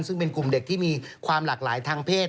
ซึ่งเป็นกลุ่มเด็กที่มีความหลากหลายทางเพศ